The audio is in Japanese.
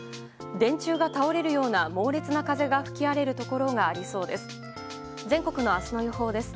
電柱が倒れるような猛烈な風が吹き荒れるところがありそうです。